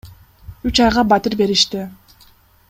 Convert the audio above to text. Үч айга батир беришти.